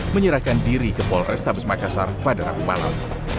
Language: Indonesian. menyerahkan diri ke polrestabes makassar pada rabu malam